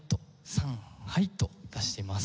「さんはい」と出してます。